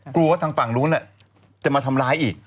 กลัวว่าทางฝั่งนู้นจะมาทำร้ายอีก